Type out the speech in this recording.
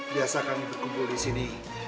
biasa kami berkumpul di sini